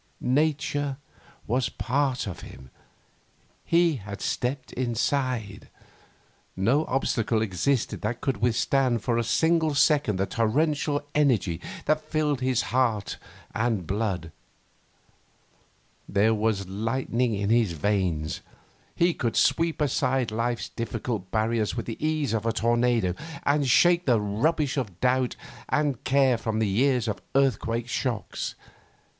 Nature was part of him. He had stepped inside. No obstacle existed that could withstand for a single second the torrential energy that fired his heart and blood. There was lightning in his veins. He could sweep aside life's difficult barriers with the ease of a tornado, and shake the rubbish of doubt and care from the years with earthquake shocks.